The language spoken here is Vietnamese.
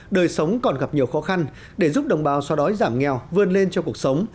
đời sống còn gặp nhiều khó khăn để giúp đồng bào so đói giảm nghèo vươn lên cho cuộc sống